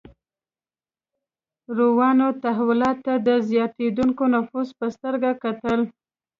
روانو تحولاتو ته د زیاتېدونکي نفوذ په سترګه کتل.